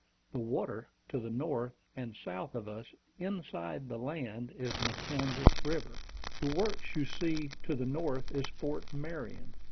The water to the north and south of us, inside the land, is Matanzas River. The works you see to the north is Fort Marion.